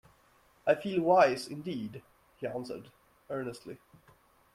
"I feel wise, indeed," he answered, earnestly.